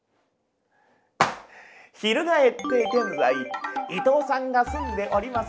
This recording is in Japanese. ひるがえって現在伊藤さんが住んでおります